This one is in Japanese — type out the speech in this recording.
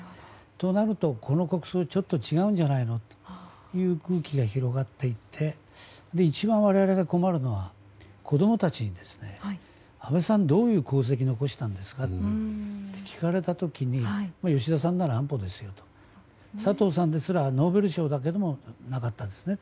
となると、この国葬ちょっと違うんじゃないのという空気が広がっていって一番、我々が困るのは子供たちに、安倍さんどういう功績を残したんですかって聞かれた時に吉田さんなら安保ですよ佐藤さんですらノーベル賞だけどなかったですね。